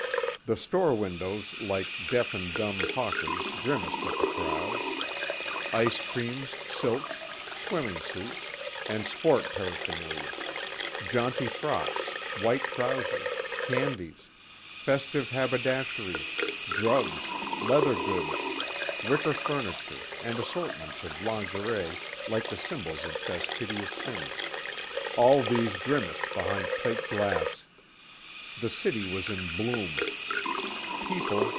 The store windows like deaf and dumb hawkers grimaced at the crowds. Ice creams, silks, swimming suits, and sport paraphernalia; jaunty frocks, white trousers, candies, festive haberdashery, drugs, leather goods, wicker furniture and assortments of lingerie like the symbols of fastidious sins all these grimaced behind plate glass. The city was in bloom.